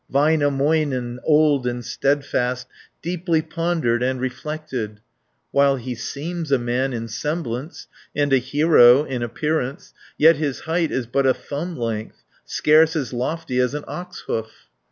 Väinämöinen, old and steadfast, Deeply pondered and reflected: "While he seems a man in semblance, And a hero in appearance, Yet his height is but a thumb length, Scarce as lofty as an ox hoof."